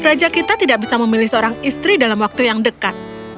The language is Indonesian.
raja kita tidak bisa memilih seorang istri dalam waktu yang dekat